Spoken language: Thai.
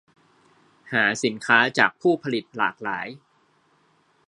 หาสินค้าจากผู้ผลิตหลากหลาย